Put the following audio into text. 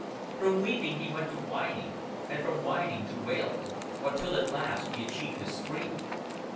From weeping he went to whining, and from whining to wailing, until at last he achieved a scream.